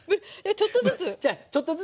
ちょっとずつ。